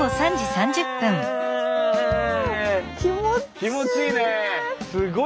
気持ちいい！